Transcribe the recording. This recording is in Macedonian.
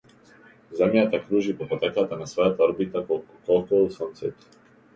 Земјата кружи по патеката на својата орбита околу сонцето.